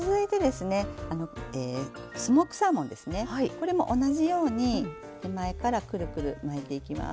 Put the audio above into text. これも同じように手前からクルクル巻いていきます。